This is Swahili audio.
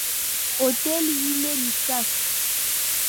Hoteli ile ni safi.